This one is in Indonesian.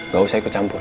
gak usah ikut campur